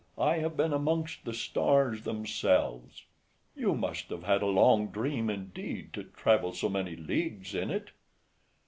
I have been amongst the stars themselves. FRIEND. You must have had a long dream, indeed, to travel so many leagues in it.